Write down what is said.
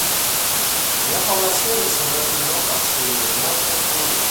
Les informations y sont maintenant partiellement contrôlées.